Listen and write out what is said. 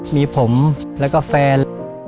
มีผมเราก็แฟน